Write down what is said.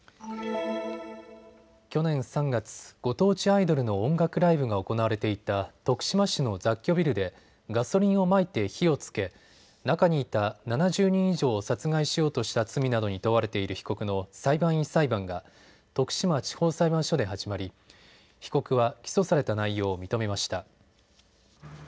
去年３月、ご当地アイドルの音楽ライブが行われていた徳島市の雑居ビルでガソリンをまいて火をつけ中にいた７０人以上を殺害しようとした罪などに問われている被告の裁判員裁判が徳島地方裁判所で始まり被告は起訴された内容を認めました。